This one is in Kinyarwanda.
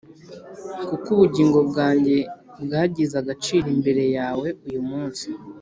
kuko ubugingo bwanjye bwagize agaciro imbere yawe uyu munsi.